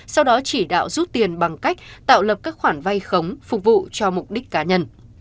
sau đó chỉ đạo rút tiền bằng cách tạo lập các khoản vay khống phục vụ cho mục đích cá nhân